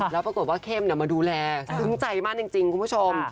แล้วปรากฏว่าเข้มมาดูแลซึ้งใจมากจริงคุณผู้ชม